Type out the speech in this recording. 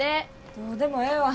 どうでもええわ。